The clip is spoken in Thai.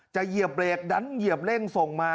เหยียบเบรกดันเหยียบเร่งส่งมา